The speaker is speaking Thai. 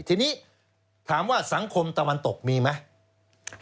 ทีนี้ถามว่าสังคมตะวันตกมีไหม